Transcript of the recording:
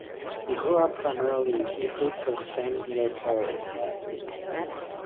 He grew up primarily in Ivry-sur-Seine near Paris.